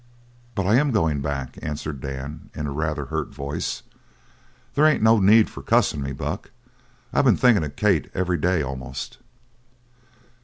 "But I am goin' back," answered Dan, in a rather hurt voice. "They ain't no need for cussin' me, Buck. I been thinkin' of Kate, every day, almost."